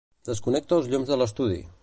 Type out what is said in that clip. Desconnecta els llums de l'estudi.